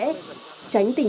tránh tình trạng trục lợi